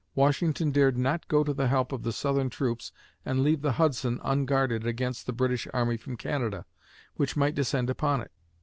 Washington dared not go to the help of the Southern troops and leave the Hudson unguarded against the British army from Canada, which might descend upon it.